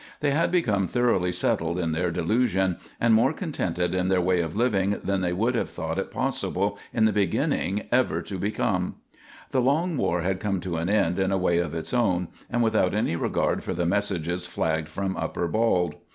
They had become thoroughly settled in their delusion, and more contented in their way of living than they would have thought it possible, in the beginning, ever to become. The long war had come to an end in a way of its own, and without any regard for the messages flagged from Upper Bald.